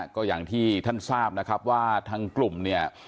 ก็อย่างที่ท่านทราบนะครับว่าทางกลุ่มเนี่ย